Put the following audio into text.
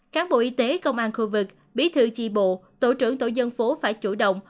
cán bộ y tế công an khu vực bí thư chi bộ tổ trưởng tổ dân phố phải chủ động